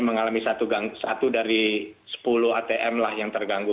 mengalami satu dari sepuluh atm lah yang terganggu